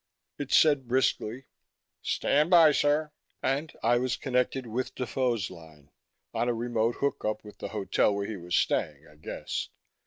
It said briskly, "Stand by, sir," and I was connected with Defoe's line on a remote hookup with the hotel where he was staying, I guessed.